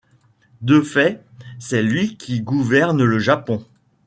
De fait, c'est lui qui gouverne le Japon.